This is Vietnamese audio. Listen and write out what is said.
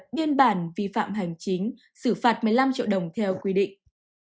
biên bản vi phạm hành chính xử phạt một mươi năm triệu đồng theo quy định